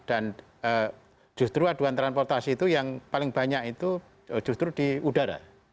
dan justru aduan transportasi itu yang paling banyak itu justru di udara